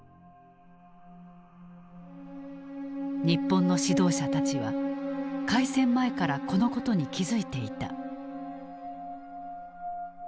日本の指導者たちは開戦前からこのことに気付いていた。